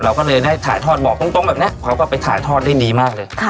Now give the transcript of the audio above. เราก็เลยได้ถ่ายทอดบอกตรงแบบนี้เขาก็ไปถ่ายทอดได้ดีมากเลย